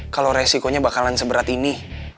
kalau resikonya bakalan seberat ini